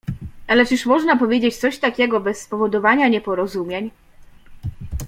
Ale czyż można powiedzieć coś takiego bez spowodowania nieporozumień?